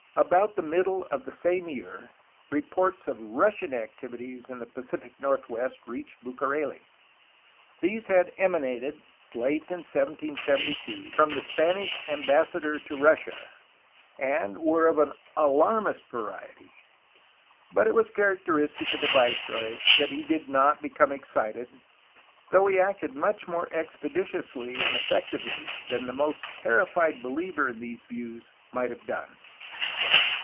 About the middle of the same year reports of Kussian activities in the Pacific northwest reached Bucareli. These had ema nated, late in 1772, from the Spanish ambassador to Russia, and were of an alarmist variety, but it was characteristic of the viceroy that he did not become excited, though he acted much more expeditiously and effectively than the most terrified believer in these views might have done.